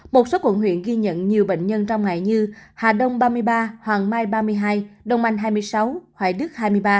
một số quận huyện ghi nhận nhiều bệnh nhân trong ngày như hà đông ba mươi ba hoàng mai ba mươi hai đông anh hai mươi sáu hoài đức hai mươi ba